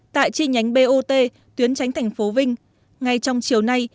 tại chi nhánh bot tuyến tránh thành phố vinh ngay trong chiều nay